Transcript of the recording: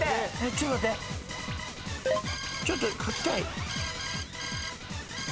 ちょっと書きたい。